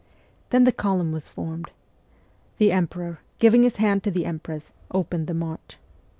Then the column was formed. The emperor, giving his hand to the empress, opened the march.